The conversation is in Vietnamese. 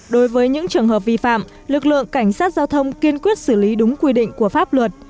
đối với những trường hợp vi phạm lực lượng cảnh sát giao thông kiên quyết xử lý đúng quy định của pháp luật